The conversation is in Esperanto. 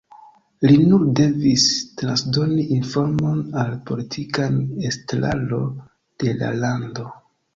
Li nur devis transdoni informon al politika estraro de la lando.